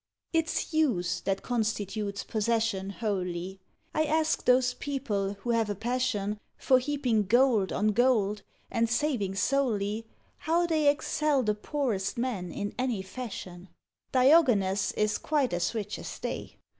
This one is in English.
It's use that constitutes possession wholely; I ask those people who've a passion For heaping gold on gold, and saving solely, How they excel the poorest man in any fashion? Diogenes is quite as rich as they.